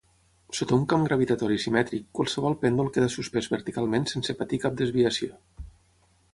Sota un camp gravitatori simètric, qualsevol pèndol queda suspès verticalment sense patir cap desviació.